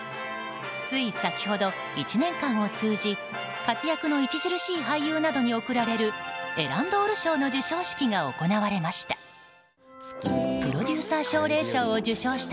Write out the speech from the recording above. つい先ほど、１年間を通じ活躍の著しい俳優などに贈られるエランドール賞の授賞式が行われました。